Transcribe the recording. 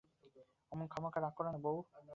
অমন খামকা রাগ কোরো না বৌ।